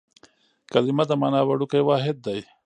کلیمه د مانا وړوکی واحد دئ.